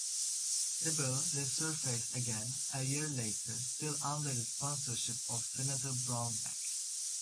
The bill resurfaced again, a year later, still under the sponsorship of Senator Brownback.